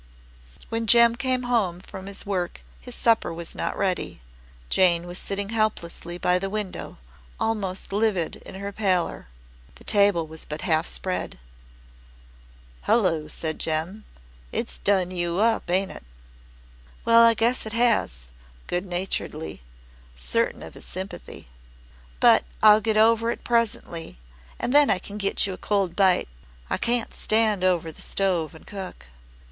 When Jem came home from his work his supper was not ready. Jane was sitting helplessly by the window, almost livid in her pallor. The table was but half spread. "Hullo," said Jem; "it's done you up, ain't it?" "Well, I guess it has," good naturedly, certain of his sympathy. "But I'll get over it presently, and then I can get you a cold bite. I can't stand over the stove and cook."